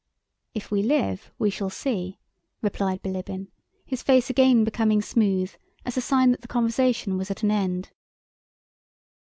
"If we live we shall see," replied Bilíbin, his face again becoming smooth as a sign that the conversation was at an end.